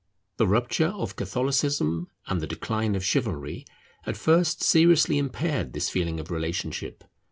The rupture of Catholicism, and the decline of Chivalry, at first seriously impaired this feeling of relationship.